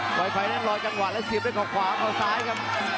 ไฟไฟนั่งรอยกันหวานแล้วเสียมด้วยข่าวขวาข้าวซ้ายครับ